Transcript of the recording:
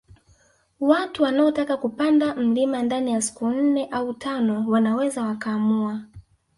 Watu wanaotaka kupanda mlima ndani ya siku nne au tano wanaweza wakaamua